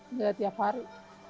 enggak tiap hari